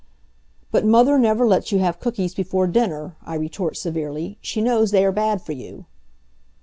"But Mother never lets you have cookies before dinner," I retort severely. "She knows they are bad for you."